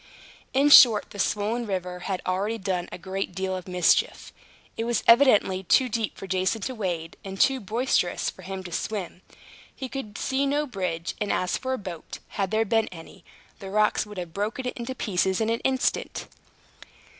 In short, the swollen river had already done a great deal of mischief. It was evidently too deep for Jason to wade, and too boisterous for him to swim; he could see no bridge; and as for a boat, had there been any, the rocks would have broken it to pieces in an instant.